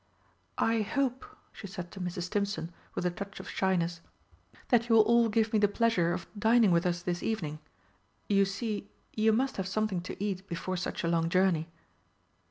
"I hope," she said to Mrs. Stimpson, with a touch of shyness, "that you will all give me the pleasure of dining with us this evening? You see, you must have something to eat before such a long journey."